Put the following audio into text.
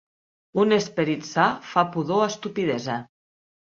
Un esperit sa fa pudor a estupidesa!